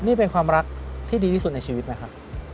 นี่เป็นความรักที่ดีที่สุดในชีวิตไหมครับ